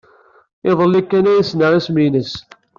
Iḍelli kan ay ssneɣ isem-nnes.